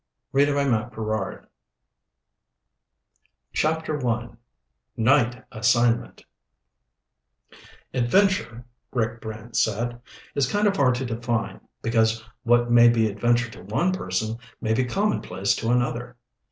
201 SMUGGLERS' REEF CHAPTER I Night Assignment "Adventure," Rick Brant said, "is kind of hard to define, because what may be adventure to one person may be commonplace to another."